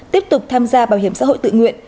tiếp tục tham gia bảo hiểm xã hội tự nguyện